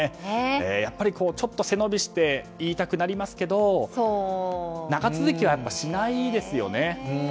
やっぱりちょっと背伸びして言いたくなりますけど長続きしないですよね。